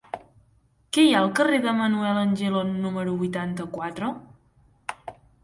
Què hi ha al carrer de Manuel Angelon número vuitanta-quatre?